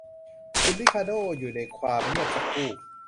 คุณริคาร์โด้อยู่ในความเงียบสักครู่